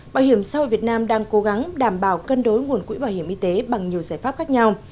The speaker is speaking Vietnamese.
bảo hiểm xã hội việt nam đang cố gắng đảm bảo cân đối nguồn quỹ bảo hiểm y tế bằng nhiều giải pháp khác nhau